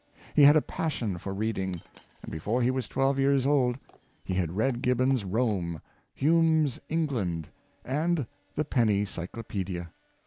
He had a passion for reading, and be fore he was 12 years old he had read Gibbons' "Rome," Hume's " England," and the "Penny Cyclopedia."